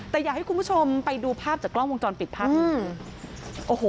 แต่อยากให้คุณผู้ชมไปดูภาพจากกล้องวงจรปิดพัก